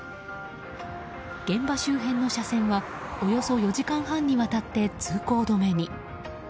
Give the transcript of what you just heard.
現場周辺の車線はおよそ４時間半にわたって通行止めに。